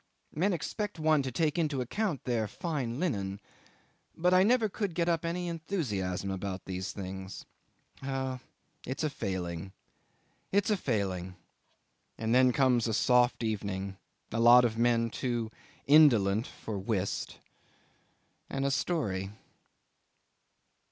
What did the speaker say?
Men expect one to take into account their fine linen. But I never could get up any enthusiasm about these things. Oh! it's a failing; it's a failing; and then comes a soft evening; a lot of men too indolent for whist and a story.